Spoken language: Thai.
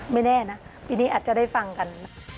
แน่นะปีนี้อาจจะได้ฟังกัน